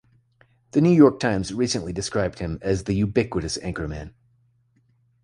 The New York Times recently described him as the ubiquitous anchorman.